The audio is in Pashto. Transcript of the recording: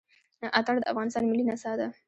اتڼ د افغانستان ملي نڅا ده.